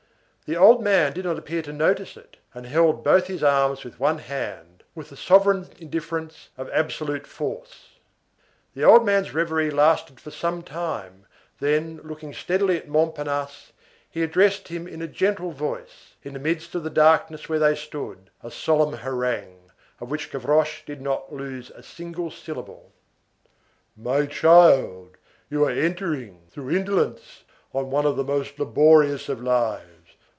The old man did not appear to notice it, and held both his arms with one hand, with the sovereign indifference of absolute force. The old man's reverie lasted for some time, then, looking steadily at Montparnasse, he addressed to him in a gentle voice, in the midst of the darkness where they stood, a solemn harangue, of which Gavroche did not lose a single syllable:— "My child, you are entering, through indolence, on one of the most laborious of lives.